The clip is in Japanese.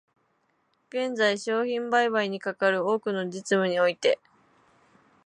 現在、商品売買にかかる多くの実務において、